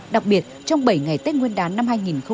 đặc biệt trong bảy ngày tết nguyên đán năm hai nghìn hai mươi